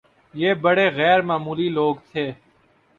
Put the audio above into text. یہ بڑے غیرمعمولی لوگ تھے